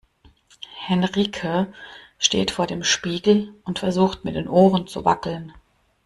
Henrike steht vor dem Spiegel und versucht mit den Ohren zu wackeln.